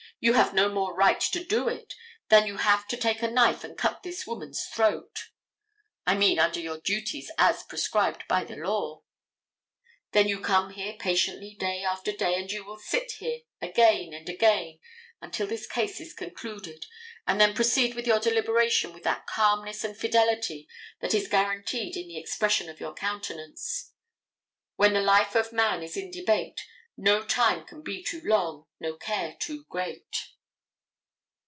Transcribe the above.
You have no more right to do it than you have to take a knife and cut this woman's throat"—I mean under your duties as prescribed by the law. Then you come here patiently day after day, and you will sit here again and again until this case is concluded, and then proceed with your deliberation with that calmness and fidelity that is guaranteed in the expression of your countenance. When the life of man is in debate No time can be too long, no care too great.